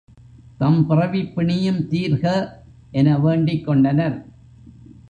தம் பிறவிப் பிணியும் தீர்க என வேண்டிக் கொண்டனர்.